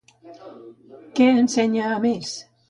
Què ensenya, a més?